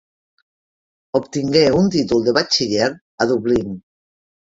Obtingué un títol de batxiller a Dublín.